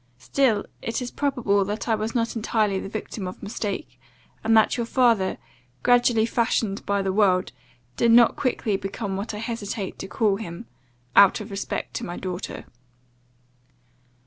Still it is probable that I was not entirely the victim of mistake; and that your father, gradually fashioned by the world, did not quickly become what I hesitate to call him out of respect to my daughter.